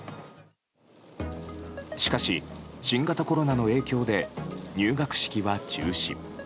しかし、新型コロナの影響で入学式は中止。